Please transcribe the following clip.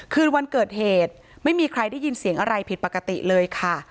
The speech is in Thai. คืนวันเกิดเหตุไม่มีใครได้ยินเสียงอะไรผิดปกติเลยค่ะ